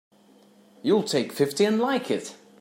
You'll take fifty and like it!